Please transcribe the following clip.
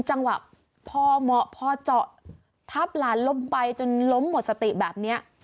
จังหวะพอเหมาะพอเจาะทับหลานล้มไปจนล้มหมดสติแบบนี้